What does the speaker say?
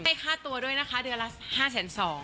ให้ค่าตัวด้วยนะคะเดือนรับห้าแสนสอง